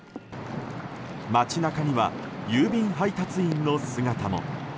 町中には、郵便配達員の姿も。